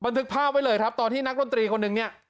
ทึกภาพไว้เลยครับตอนที่นักดนตรีคนหนึ่งเนี่ย